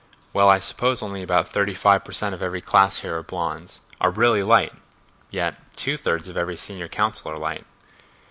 Well, I suppose only about thirty five per cent of every class here are blonds, are really light—yet two thirds of every senior council are light.